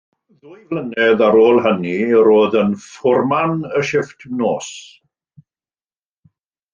Ddwy flynedd ar ôl hynny, roedd yn fforman y shifft nos.